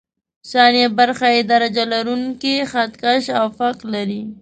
ثابته برخه یې درجه لرونکی خط کش او فک لري.